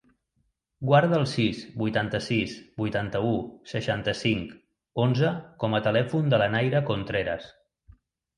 Guarda el sis, vuitanta-sis, vuitanta-u, seixanta-cinc, onze com a telèfon de la Nayra Contreras.